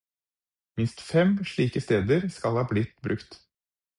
Minst fem slike steder skal ha blitt brukt.